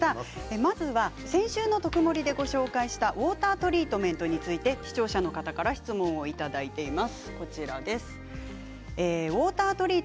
まずは先週の「とくもり」でご紹介したウォータートリートメントについて視聴者の方から質問をいただいています。